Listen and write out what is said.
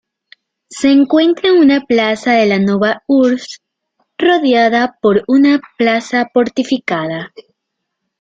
Se encuentra en una plaza de la "nova urbs", rodeada por una plaza porticada.